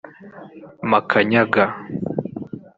Makanyaga